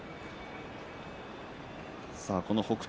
北勝